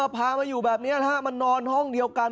พามาอยู่แบบนี้มานอนห้องเดียวกัน